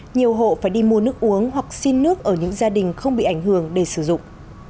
nhiều hộ phải đi mua nước uống hoặc xin nước ở những gia đình không bị ảnh hưởng để sử dụng